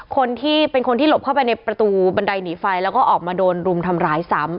คนที่เป็นคนที่หลบเข้าไปในประตูบันไดหนีไฟแล้วก็ออกมาโดนรุมทำร้ายซ้ำ